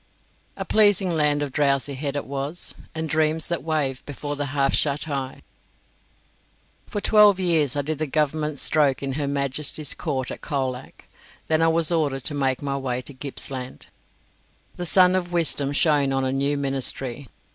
"A pleasing land of drowsihed it was, And dreams that wave before the half shut eye." For twelve years I did the Government stroke in Her Majesty's Court at Colac, then I was ordered to make my way to Gippsland. The sun of wisdom shone on a new ministry.